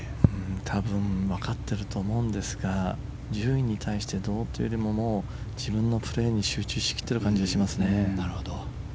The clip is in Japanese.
多分分かっていると思うんですが順位に対してというよりも自分のプレーに集中しきっている感じがします。